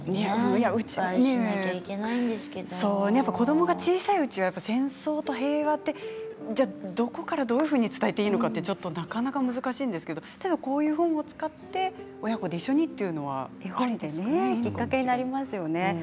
子どもが小さいうちは戦争と平和ってどこからどういうふうに伝えていいのかなかなか難しいんですけどただ、こういう絵本を使って親子で一緒にというのはきっかけになりますよね。